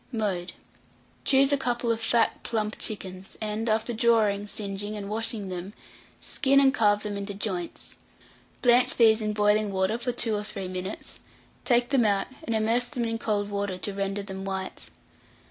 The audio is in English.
Mode. Choose a couple of fat plump chickens, and, after drawing, singeing, and washing them, skin, and carve them into joints; blanch these in boiling water for 2 or 3 minutes; take them out, and immerse them in cold water to render them white.